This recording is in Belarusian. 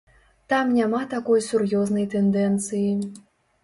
Там няма такой сур'ёзнай тэндэнцыі.